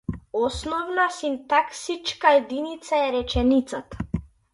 Основна синтаксичка единица е реченицата.